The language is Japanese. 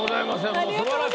もう素晴らしい。